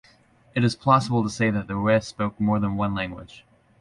It is plausible to say that the Yue spoke more than one language.